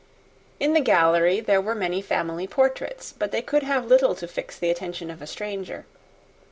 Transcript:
In the gallery there were many family portraits, but they could have little to fix the attention of a stranger.